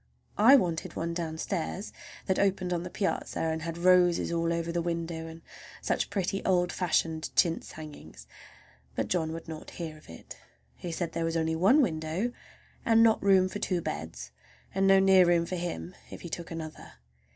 I wanted one downstairs that opened on the piazza and had roses all over the window, and such pretty old fashioned chintz hangings! but John would not hear of it. He said there was only one window and not room for two beds, and no near room for him if he took another.